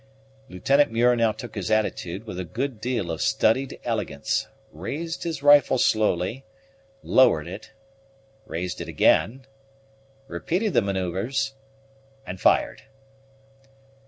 Lieutenant Muir now took his attitude with a good deal of studied elegance, raised his rifle slowly, lowered it, raised it again, repeated the manoeuvres, and fired.